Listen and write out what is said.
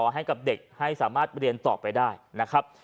ให้กับเด็กให้สามารถเรียนต่อไปได้นะครับ